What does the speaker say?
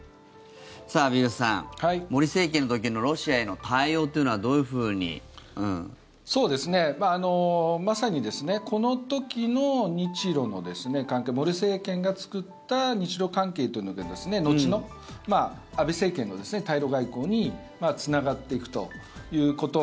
畔蒜さん、森政権の時のロシアへの対応というのはまさにこの時の日ロの関係森政権が作った日ロ関係というのが後の、安倍政権の対ロ外交につながっていくということ。